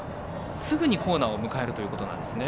すぐにコーナーを迎えるということになるんですね。